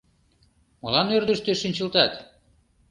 Молан ӧрдыжтӧ шинчылтат?